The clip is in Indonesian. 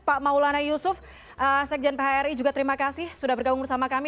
pak maulana yusuf sekjen phri juga terima kasih sudah bergabung bersama kami